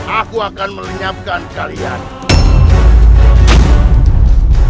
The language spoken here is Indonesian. aku akan melinyapkan kalian